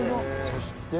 そして。